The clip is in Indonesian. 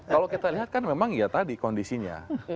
kalau kita lihat kan memang ya tadi kondisinya